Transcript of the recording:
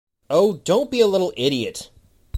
Oh, don't be a little idiot!